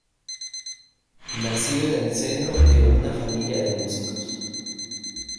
Nacido en el seno de una familia de músicos.